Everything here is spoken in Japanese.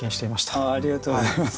ありがとうございます。